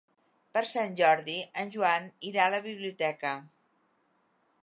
Per Sant Jordi en Joan irà a la biblioteca.